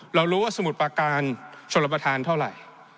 เรารู้ว่าสมุทรประการชนรับประทานเท่าไหร่